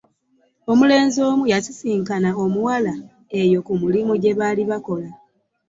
Omulenzi omu yasisinkana omuwala eyo ku mulimu gye baali bakolera